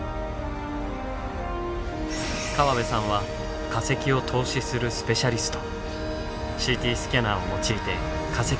河部さんは化石を透視するスペシャリスト。